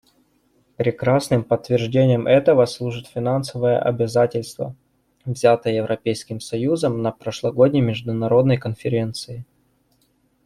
Прекрасным подтверждением этого служит финансовое обязательство, взятое Европейским союзом на прошлогодней международной конференции.